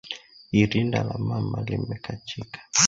Irinda la mama limekachika